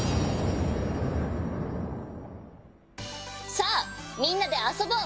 さあみんなであそぼう。